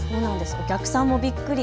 お客さんもびっくり。